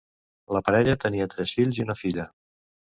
La parella tenia tres fills i una filla.